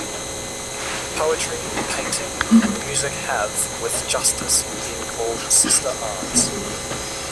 Poetry, painting, and music have, with justice, been called sister arts.